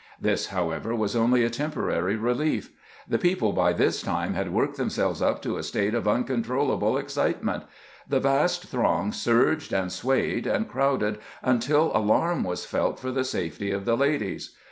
This, however, was only a tem porary relief. The people by this time had worked themselves up to a state of uncontrollable excitement. The vast throng surged and swayed and crowded until alarm was felt for the safety of the ladies.